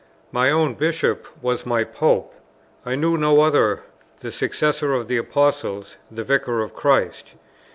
My own Bishop was my Pope; I knew no other; the successor of the Apostles, the Vicar of Christ.